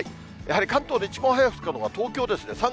やはり関東で一番早く咲くのは東京ですね。